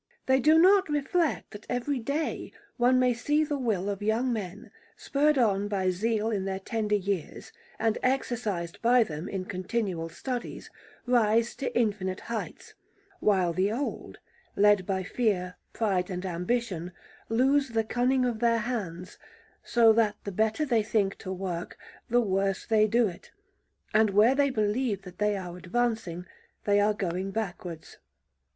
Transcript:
They do not reflect that every day one may see the will of young men, spurred on by zeal in their tender years, and exercised by them in continual studies, rise to infinite heights; while the old, led by fear, pride, and ambition, lose the cunning of their hands, so that the better they think to work, the worse they do it, and where they believe that they are advancing, they are going backwards.